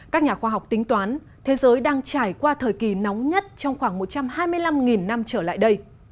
các nhà khoa học tính toán thế giới đang trải qua thời kỳ nóng nhất trong khoảng một trăm hai mươi năm năm trở lại đây